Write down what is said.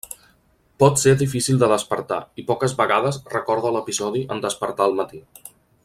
Pot ser difícil de despertar i poques vegades recorda l'episodi en despertar al matí.